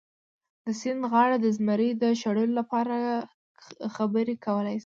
د سیند غاړې د زمري د شړلو لپاره خبرې کولی شي.